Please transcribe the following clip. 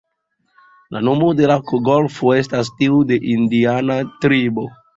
La nomo de la golfo estas tiu de indiana tribo.